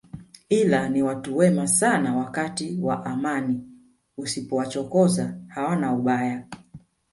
Ila ni watu wema sana wakati wa amani usipowachokoza hawana ubaya